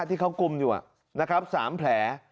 ที่เขากุมอยู่นะครับ๓แผล